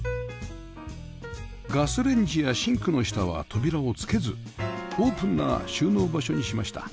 ガスレンジやシンクの下は扉を付けずオープンな収納場所にしました